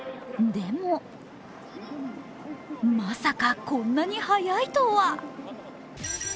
でもまさか、こんなに早いとは。